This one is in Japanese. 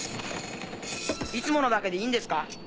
いつものだけでいいんですか？